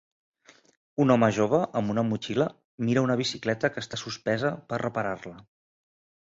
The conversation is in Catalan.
Un home jove amb una motxilla mira una bicicleta que està suspesa per reparar-la.